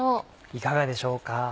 いかがでしょうか。